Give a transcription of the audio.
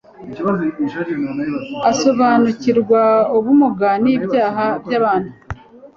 asobanukirwa ubumuga n'ibyaha by'abantu;